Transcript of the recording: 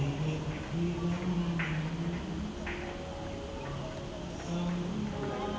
ที่เราทำ